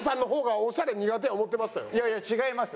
いやいや違います。